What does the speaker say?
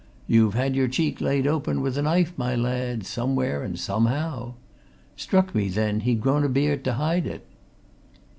'You've had your cheek laid open with a knife, my lad, somewhere and somehow!' Struck me, then, he'd grown a beard to hide it."